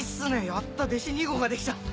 やった弟子２号が出来た。